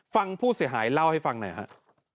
ฟังผู้เสียหายเล่าให้ฟังหน่อยฮะ